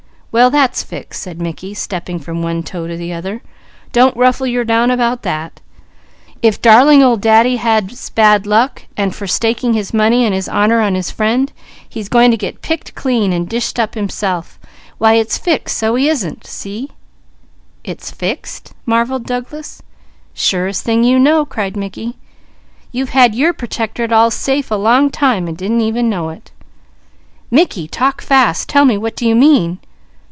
"Well that's fixed," said Mickey, stepping from one toe to the other. "Don't ruffle your down about that. If 'darling old Daddy' has bad luck, and for staking his money and his honour on his friend, he's going to get picked clean and dished up himself, why it's fixed so he isn't! See?" "It's fixed?" marvelled Douglas. "Surest thing you know!" cried Mickey. "You've had your Pertectorate all safe a long time, and didn't know it." "Mickey, talk fast! Tell me! What do you mean?"